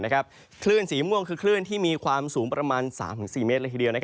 คลื่นสีม่วงคือคลื่นที่มีความสูงประมาณ๓๔เมตรเลยทีเดียว